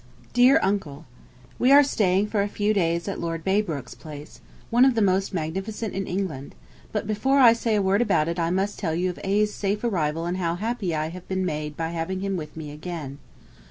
DEAR UNCLE: We are staying for a few days at Lord Braybrooke's place, one of the most magnificent in England; but before I say a word about it I must tell you of A.'s safe arrival and how happy I have been made by having him with me again.